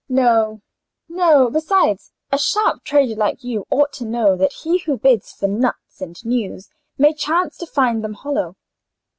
No, no. Besides, a sharp trader, like you, ought to know that he who bids for nuts and news, may chance to find them hollow."